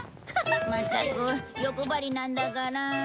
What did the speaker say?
まったく欲張りなんだから。